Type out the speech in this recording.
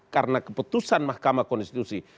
karena keputusan mahkamah konstitusi